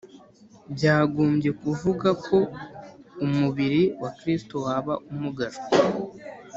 byagombye kuvuga ko umubiri wa Kristo waba umugajwe.